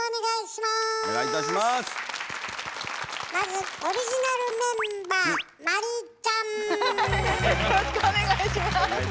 まずよろしくお願いします。